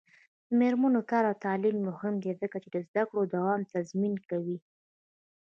د میرمنو کار او تعلیم مهم دی ځکه چې زدکړو دوام تضمین کوي.